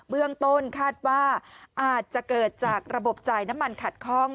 เบื้องต้นคาดว่าอาจจะเกิดจากระบบจ่ายน้ำมันขัดข้อง